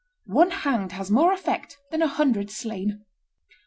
One hanged has more effect than a hundred slain."